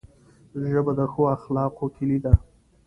ژبه د ښو اخلاقو کلۍ ده